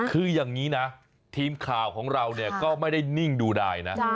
คืออย่างนี้นะทีมข่าวของเราเนี่ยก็ไม่ได้นิ่งดูดายนะ